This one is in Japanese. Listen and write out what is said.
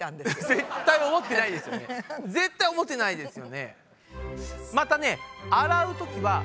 絶対思ってないですよね。